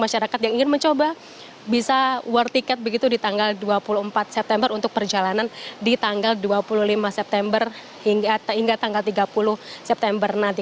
masyarakat yang ingin mencoba bisa war ticket begitu di tanggal dua puluh empat september untuk perjalanan di tanggal dua puluh lima september hingga tanggal tiga puluh september nanti